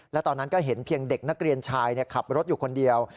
และตอนนั้นก็เห็นเพียงเด็กนักเรียนชายขับรถอยู่คนเดียว